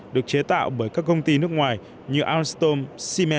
được chế tạo bởi các công ty nước ngoài như armstrong siemens hay kawasaki